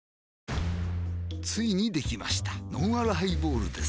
ついにできましたのんあるハイボールです